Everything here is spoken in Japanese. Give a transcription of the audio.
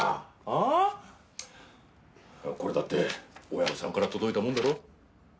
これだって親御さんから届いたもんだろ？